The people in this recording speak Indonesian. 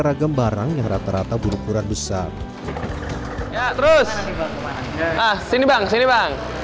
ragam barang yang rata rata berukuran besar terus sini bang sini bang